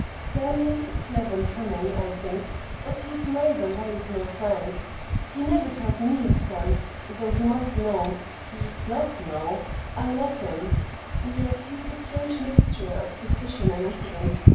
Stanley is clever and cunning, I think, but he is neither wise nor frank. He never tells me his plans, though he must know he does know I love him; yes, he's a strange mixture of suspicion and imprudence.